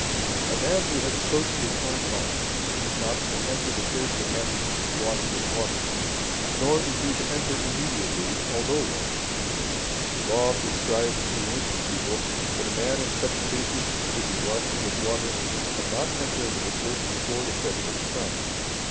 A man who has approached his own wife is not to enter the church unless washed with water, nor is he to enter immediately although washed. The Law prescribed to the ancient people, that a man in such cases should be washed with water, and not enter into the church before the setting of the sun.